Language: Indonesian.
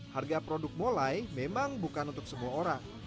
harga produk molai memang bukan untuk semua orang